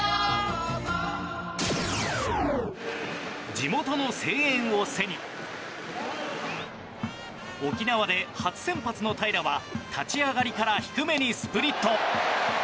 地元の声援を背に沖縄で初先発の平良は立ち上がりから低めにスプリット。